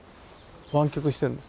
湾曲してるんです。